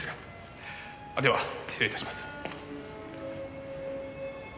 では失礼致します。